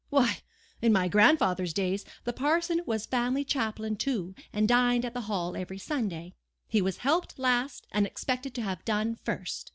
Why, in my grandfather's days, the parson was family chaplain too, and dined at the Hall every Sunday. He was helped last, and expected to have done first.